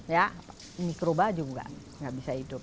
ya mikroba juga nggak bisa hidup